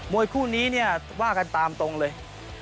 วยคู่นี้เนี่ยว่ากันตามตรงเลย